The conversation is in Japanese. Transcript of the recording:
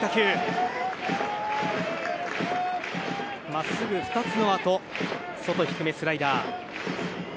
真っすぐ２つのあと外低めスライダー。